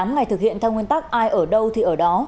một mươi tám ngày thực hiện theo nguyên tắc ai ở đâu thì ở đó